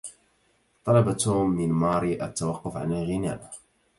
طلب توم من ماري التوقف عن الغناء.